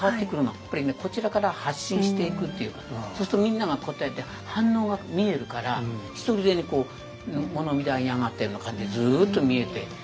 やっぱりねこちらから発信していくっていうかそうするとみんなが応えて反応が見えるからひとりでに物見台に上がったような感じでずっと見えて。